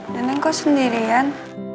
daneng kok sendiri kayain